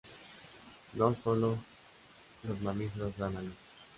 No solo los mamíferos dan a luz.